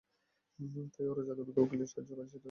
তাই ওরা যাতে অভিজ্ঞ উকিলের সাহায্য পায় সেটা নিশ্চিত করো।